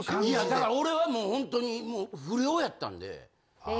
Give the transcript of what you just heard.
だから俺はもうほんとに不良やったんで。